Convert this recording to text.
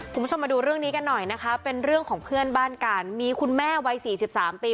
คุณผู้ชมมาดูเรื่องนี้กันหน่อยนะคะเป็นเรื่องของเพื่อนบ้านกันมีคุณแม่วัยสี่สิบสามปี